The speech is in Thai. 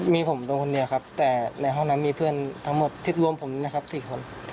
มีผมโดนคนเดียวครับแต่ในห้องนั้นมีเพื่อนทั้งหมดที่รวมผมนะครับ๔คน